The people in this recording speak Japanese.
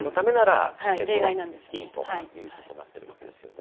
戦争はいいということになってるわけですよね。